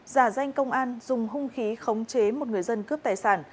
giả danh công an dùng hung khí khống chế một người dân cướp tài sản